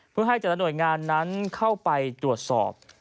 เพื่อให้แต่ละหน่วยงานนั้นเข้าไปตรวจสอบ